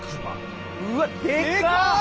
うわっでかっ！